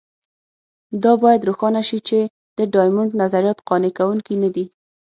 دا باید روښانه شي چې د ډایمونډ نظریات قانع کوونکي نه دي.